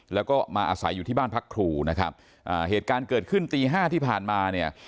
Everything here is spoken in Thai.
แล้วก็มาอาศัยอยู่ที่บ้านพักครูนะครับอ่าเหตุการณ์เกิดขึ้นตีห้าที่ผ่านมาเนี่ย